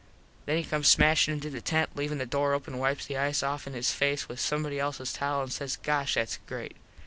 Then he comes smashin into the tent leavin the door open and wipes the ice off en his face with somebody elses towel an says gosh thats great.